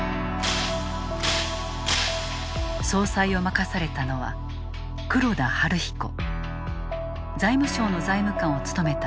総裁を任されたのは財務省の財務官を務めた